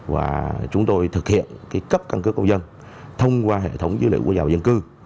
và chúng tôi thực hiện cấp căn cước công dân thông qua hệ thống dữ liệu quốc gia dân cư